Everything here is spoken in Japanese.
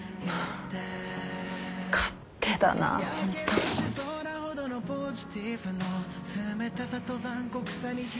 勝手だなホントに。